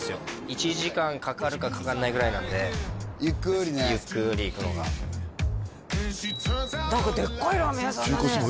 １時間かかるかかかんないぐらいなんでゆっくりねゆっくり行くのが何かでっかいラーメン屋さんだね中華そば